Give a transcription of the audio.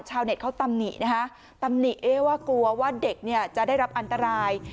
ชาวเน็ตเขาตำหนินะคะตำหนิเอ๊ว่ากลัวว่าเด็กเนี่ยจะได้รับอันตราย